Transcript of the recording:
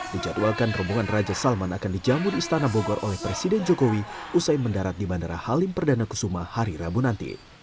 dijadwalkan rombongan raja salman akan dijamu di istana bogor oleh presiden jokowi usai mendarat di bandara halim perdana kusuma hari rabu nanti